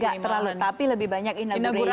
gak terlalu tapi lebih banyak inauguration